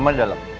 mama di dalam